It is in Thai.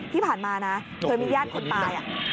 ที่ผ่านมานะเคยมีญาติคนตาย